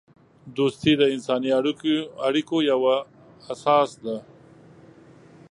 دوستی د انسانی اړیکو یوه اساس ده.